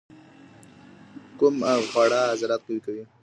کوم خواړه عضلات قوي کوي؟